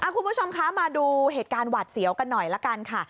คุณผู้ชมคะมาดูเหตุการณ์หวาดเสียวกันหน่อยละกันค่ะ